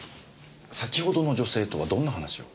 先ほどの女性とはどんな話を？